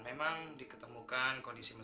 memang diketemukan kondisi yang tidak baik